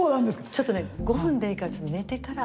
ちょっとね５分でいいから寝てから。